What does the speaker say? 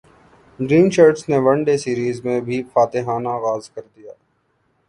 green shirts نے one day series میں بھی فاتحانہ غاز کر دیا